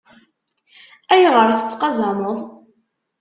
Ayɣer tettqazameḍ?